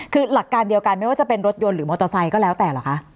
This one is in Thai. คือหลักการเดียวกันไม่ว่าจะเป็นรถยนต์หรือมอเตอร์ไซค์ก็แล้วแต่เหรอคะ